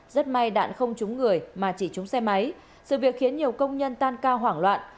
rất may đạn không trúng người mà chỉ trúng xe máy sự việc khiến nhiều công nhân tan cao hoảng loạn